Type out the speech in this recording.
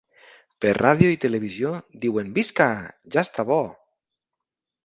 Per ràdio i televisió diuen Visca! ja està bo!